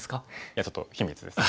いやちょっと秘密です。